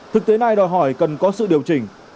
thực tế này đòi hỏi cần có sự điều chỉnh